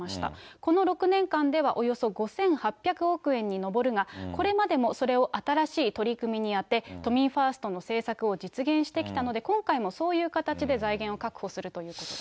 この６年間ではおよそ５８００億円に上るが、これまでもそれを新しい取り組みに充て、都民ファーストの政策を実現してきたので、今回もそういう形で財源を確保するということです。